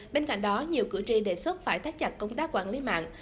bên cạnh đó nhiều cử tri đề xuất phải thắt chặt công tác quản lý mạng